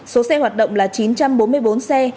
số xe hoạt động là chín trăm bốn mươi bốn xe